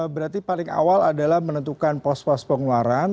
berarti paling awal adalah menentukan pos pos pengeluaran